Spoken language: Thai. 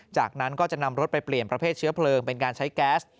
จากนั้นก็จะนำรถไปเปลี่ยนประเภทเชื้อเพลิงเป็นการใช้แก๊ส